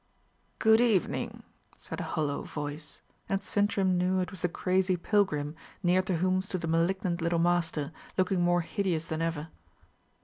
"Good evening!" said a hollow voice; and Sintram knew it was the crazy pilgrim, near to whom stood the malignant little Master, looking more hideous than ever.